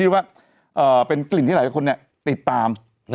ว่าเป็นกลิ่นที่หลายคนติดตาม